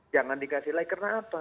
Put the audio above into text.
jangan dikasih like